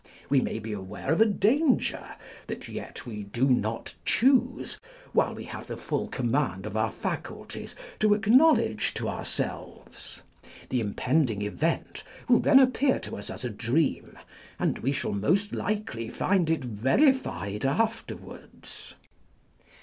We may be aware of a danger that yet we do not choose, while we have the full com mand of our faculties, to acknowledge to ourselves : the im pending event will then appear to us as a dream, and we shall most likely find it verified afterwards.